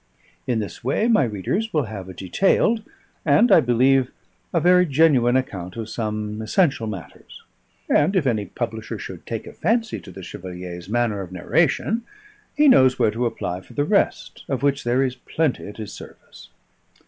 In this way my readers will have a detailed, and, I believe, a very genuine account of some essential matters; and if any publisher should take a fancy to the Chevalier's manner of narration, he knows where to apply for the rest, of which there is plenty at his service.